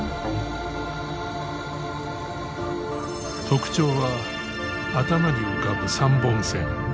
特徴は頭に浮かぶ３本線。